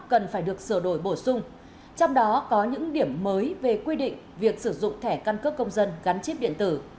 cần phải được sửa đổi bổ sung trong đó có những điểm mới về quy định việc sử dụng thẻ căn cước công dân gắn chip điện tử